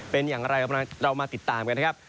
เป็นอย่างไรเรามาติดตามกันนะครับ